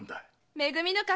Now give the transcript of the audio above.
め組の頭。